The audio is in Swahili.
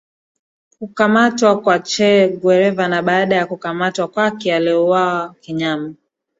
Kukamatwa kwa Che Guevara na baada ya kukamatwa kwake aliuawa kinyama